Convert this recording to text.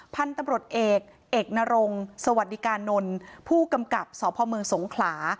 พันธุ์ตำรวจเอกเอกนรงสวัสดิกานนท์ผู้กำกับสพเมืองสงขลา